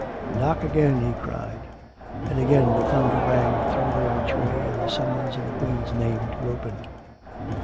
" Knock again," he cried. And again the thunder rang through the archway, and the summons in the Queen's name to open.